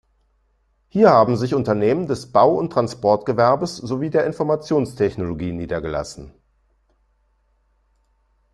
Hier haben sich Unternehmen des Bau- und Transportgewerbes sowie der Informationstechnologie niedergelassen.